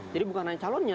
jadi bukan hanya calonnya